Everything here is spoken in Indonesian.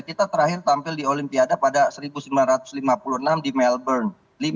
kita terakhir tampil di olimpiade pada seribu sembilan ratus lima puluh enam di melbourne